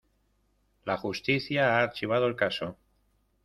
La justicia ha archivado el caso.